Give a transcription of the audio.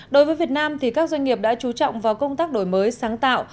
đối với việt nam thì các doanh nghiệp đã trú trọng vào công tác đổi mới sáng tạo